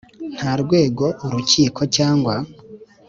Nta rwego urukiko cyangwa